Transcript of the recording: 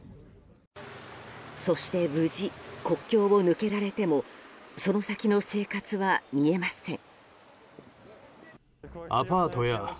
そして無事、国境を抜けられてもその先の生活は見えません。